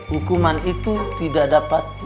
hukuman itu tidak dapat